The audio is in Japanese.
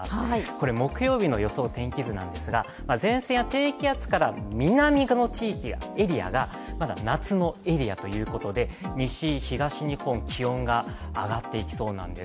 これ、木曜日の予想天気図なんですが前線や低気圧から南のエリアがまだ夏のエリアということで、西、東日本気温が上がっていきそうなんです。